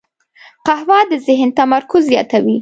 قهوه د ذهن تمرکز زیاتوي